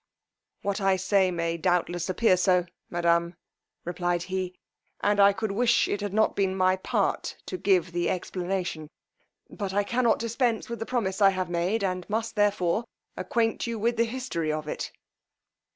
What I say, may doubtless appear so, madame; replied she, and I could wish it had not been my part to give the explanation; but I cannot dispense with the promise I have made, and must therefore acquaint you with the history of it.